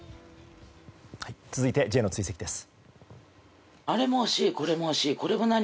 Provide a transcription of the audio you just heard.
続いてＪの追跡です。